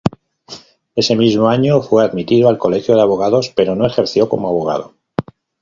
Ese mismo año fue admitido al Colegio de Abogados pero no ejerció como abogado.